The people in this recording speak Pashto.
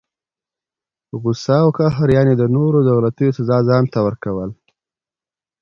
غصه او قهر، یعني د نورو د غلطۍ سزا ځانته ورکول!